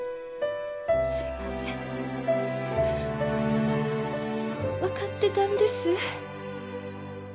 すいません分かってたんです